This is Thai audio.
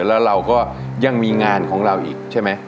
แล้วเราก็ยังมีงานของเราอีกใช่ไหม